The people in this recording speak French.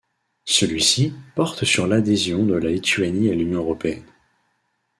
Celui-ci porte sur l'adhésion de la Lituanie à l'Union européenne.